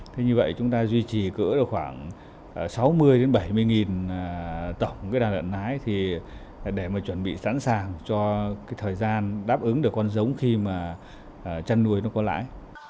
thế như vậy chúng ta duy trì cỡ được khoảng sáu mươi bảy mươi tổng cái đàn lợn nái thì để mà chuẩn bị sẵn sàng cho cái thời gian đáp ứng được con giống khi mà chăn nuôi nó có lãi